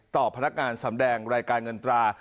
พนักงานสำแดงรายการเงินตรา